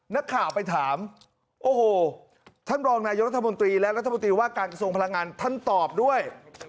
นักข่าวไปถามโอ้โหท่านรองนายกรัฐมนตรีและรัฐมนตรีว่าการกระทรวงพลังงานท่านตอบด้วย